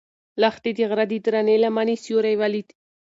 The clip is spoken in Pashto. لښتې د غره د درنې لمنې سیوری ولید.